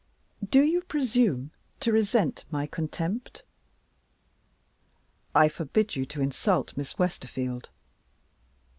"Do you presume to resent my contempt?" "I forbid you to insult Miss Westerfield."